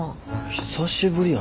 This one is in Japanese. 久しぶりやな。